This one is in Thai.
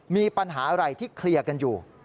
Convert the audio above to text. มีปัญหาอะไรที่เคลียร์กันอยู่